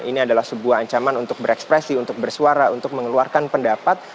ini adalah sebuah ancaman untuk berekspresi untuk bersuara untuk mengeluarkan pendapat